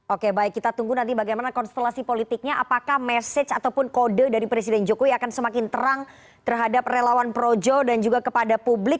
oke baik kita tunggu nanti bagaimana konstelasi politiknya apakah message ataupun kode dari presiden jokowi akan semakin terang terhadap relawan projo dan juga kepada publik